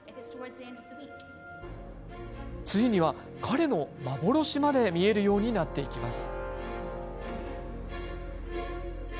ついには彼の幻まで見えるようになっていきます。